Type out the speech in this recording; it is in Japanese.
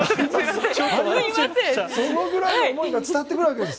そのぐらいの思いが伝わってくるんです。